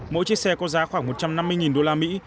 mỗi chiếc xe có giá khoảng một trăm năm mươi usd